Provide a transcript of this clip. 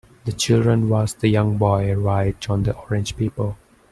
The children watched the young boy write on the orange paper.